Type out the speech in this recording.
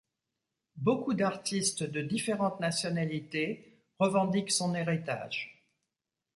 Beaucoup d'artistes de différentes nationalités revendiquent son héritage.